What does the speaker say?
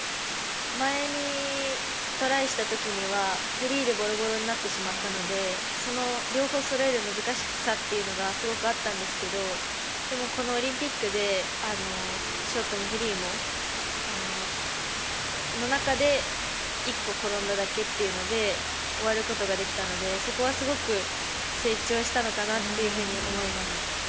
前にトライした時にはフリーでボロボロになってしまったので、両方そろえる難しさというのがすごくあったんですけど、このオリンピックでショートもフリーも、その中で一個転んだだけっていうことで終わることができたので、そこはすごく成長したのかなっていうふうに思います。